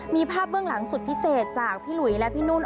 มีภาพเบื้องหลังสุดพิเศษจากพี่หลุยและพี่นุ่น